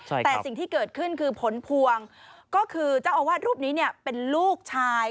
แต่สิ่งที่เกิดขึ้นคือผลพวงก็คือเจ้าอาวาสรูปนี้เนี่ยเป็นลูกชาย